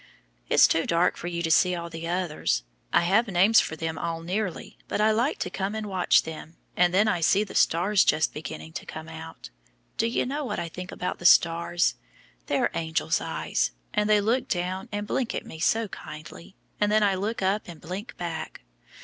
It's too dark for you to see all the others. I have names for them all nearly, but I like to come and watch them, and then I see the stars just beginning to come out. Do you know what I think about the stars? They're angels' eyes, and they look down and blink at me so kindly, and then I look up and blink back.